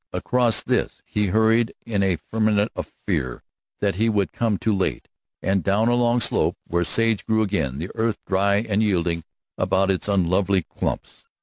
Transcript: Across this he hurried in a ferment of fear that he would come too late, and down a long slope where sage grew again, the earth dry and yielding about its unlovely clumps.